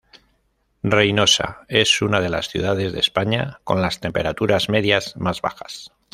Reinosa es una de las ciudades de España con las temperaturas medias más bajas.